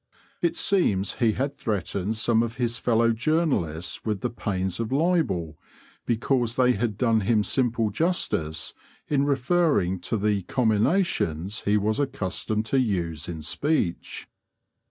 It seems he had threatened some of his fellow journalists with the pains of libel because they had done him simple justice in referring to the comminations he was accustomed to use in speech.